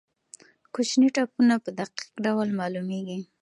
کوچني ټپونه په دقیق ډول معلومېږي.